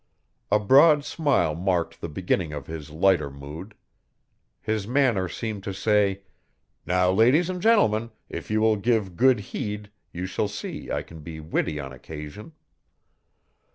A broad smile marked the beginning of his lighter mood. His manner seemed to say: 'Now, ladies and gentlemen, if you will give good heed, you shall see I can be witty on occasion.'